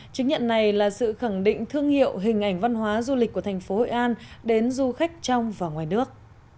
chứng nhận này là sự khẳng định thương hiệu hình ảnh văn hóa du lịch của thành phố hội an đến du khách trong và ngoài nước